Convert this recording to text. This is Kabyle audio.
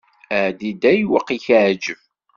Ɛeddi-d ayweq i ak-iɛǧeb.